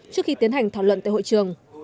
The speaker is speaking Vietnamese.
trước khi tiến hành thảo luận tại hội trường